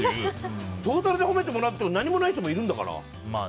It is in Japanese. トータルで褒めてもらっても何もない人もいるんだから。